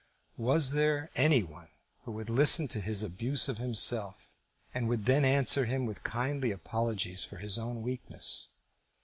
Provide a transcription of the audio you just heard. Was there any one who would listen to his abuse of himself, and would then answer him with kindly apologies for his own weakness?